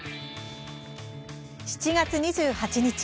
７月２８日。